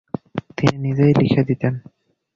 তিনি নিজেই লিখে দিতেন।